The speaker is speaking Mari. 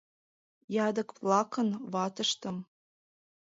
Ядыкплакын ватыштым